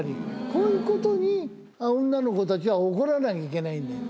こういうことに女の子たちは怒らなきゃいけないんだよ。